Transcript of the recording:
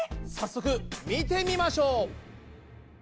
早速見てみましょう！